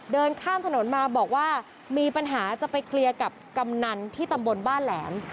เดินข้ามถนนมาบอกว่ามีปัญหาจะไปเคลียร์กับกำนันที่ตำบลบ้านแหลม